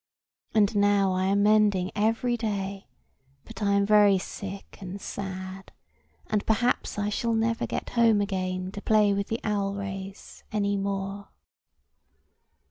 And now I am mending every day; but I am very sick and sad; and perhaps I shall never get home again to play with the owl rays any more."